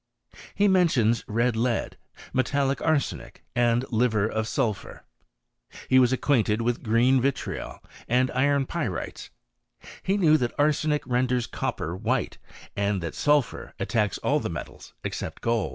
He mentions red lead, metallic arsenic, and Hver of *id{^ur. He was acquainted with green vitriol and ^n p^ites. He knew that arsenic renders copper ^hite, and that sulphur attacks all the metals except X)W.